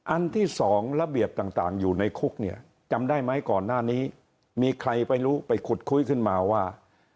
อันที่๒ระเบียบต่างอยู่ในคุกเนี่ยจำได้ไหมก่อนหน้านี้มีใครไปรู้ไปขุดคุยขึ้นมาว่า